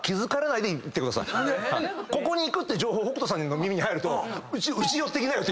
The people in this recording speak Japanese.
ここに行くって情報北斗さんの耳に入ると。